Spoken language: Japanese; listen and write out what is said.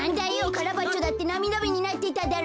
カラバッチョだってなみだめになってただろ。